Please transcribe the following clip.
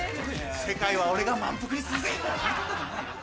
世界は俺が満腹にするぜ！